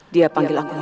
dia panggil aku lama